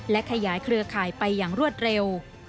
และขยายเครือข่ายไปอย่างรวดเร็ว